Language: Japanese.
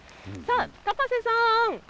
さあ、高瀬さん。